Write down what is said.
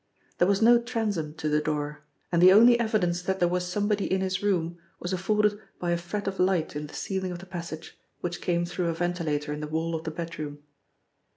There was no transom to the door, and the only evidence that there was somebody in his room was afforded by a fret of light in the ceiling of the passage, which came through a ventilator in the wall of the bedroom.